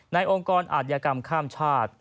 องค์กรอาธิกรรมข้ามชาติ